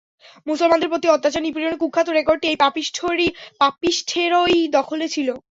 মুসলমানদের প্রতি অত্যাচার নিপীড়নের কুখ্যাত রেকর্ডটি এই পাপীষ্ঠেরই দখলে ছিল।